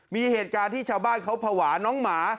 มีเหตุการณ์ที่ชาวบ้านเขาภาวะน้องหมา